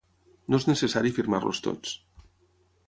No és necessari firmar-los tots.